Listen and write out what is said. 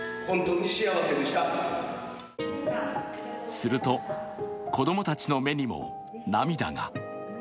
すると、子供たちの目にも涙が。